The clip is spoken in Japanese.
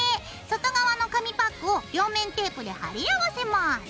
外側の紙パックを両面テープで貼り合わせます。